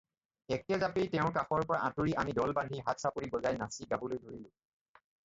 একে জাপেই তেওঁৰ কাষৰপৰা আঁতৰি আমি দল বান্ধি হাত চাপৰি বাই নাচি গাবলৈ ধৰিলোঁ